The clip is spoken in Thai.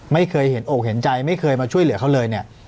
ไม่เคยเห็นอกเห็นใจไม่เคยมาช่วยเหลือเขาเลยเนี่ย